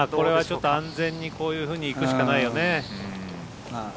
安全にこういうふうにいくしかないよね。